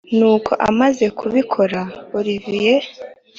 nuko amaze kubikora olivier